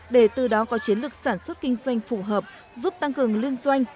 để từ đó có chiến lược sản xuất kinh doanh phù hợp giúp tăng cường liên doanh